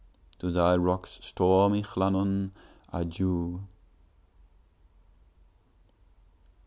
To thy rocks, stormy Llannon, adieu!